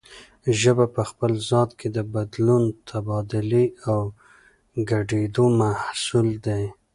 ژبه په خپل ذات کې د بدلون، تبادلې او ګډېدو محصول دی